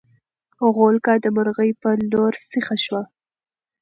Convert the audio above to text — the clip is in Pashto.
غولکه د مرغۍ په لور سیخه شوه.